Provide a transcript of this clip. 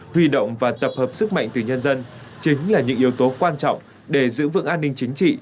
huy động và tập hợp sức mạnh từ nhân dân chính là những yếu tố quan trọng để giữ vững an ninh chính trị